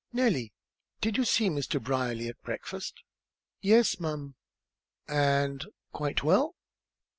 "Nellie, did you see Mr. Brierly at breakfast?" "Yes'm!" "And quite well?"